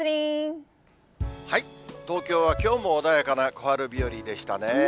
東京はきょうも穏やかな小春日和でしたね。